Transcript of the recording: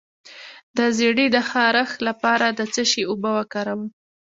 د زیړي د خارښ لپاره د څه شي اوبه وکاروم؟